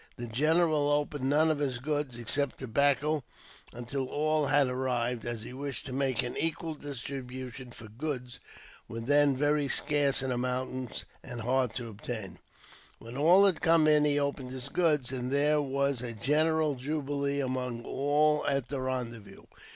The general would open none of his goods, except tobacco, until all had arrived, as he wished to make an equal distribution ; for goods were then very scarce in the mountains, and hard to obtain. When all had come in, he opened his goods, and there was a general jubilee among all at the rendezvous.